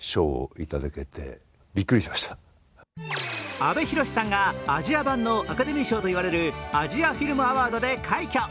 阿部寛さんがアジア版のアカデミー賞といわれるアジア・フィルム・アワードで快挙。